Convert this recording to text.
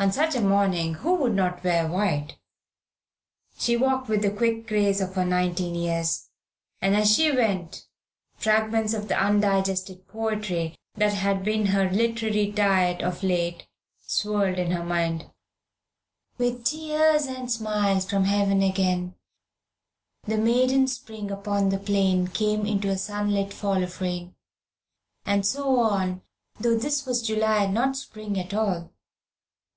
On such a morning who would not wear white? She walked with the quick grace of her nineteen years, and as she went fragments of the undigested poetry that had been her literary diet of late swirled in her mind "With tears and smiles from heaven again, The maiden spring upon the plain Came in a sunlit fall of rain," and so on, though this was July, and not spring at all.